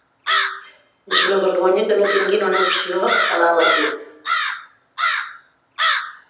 És una vergonya que no tinguin una opció halal aquí.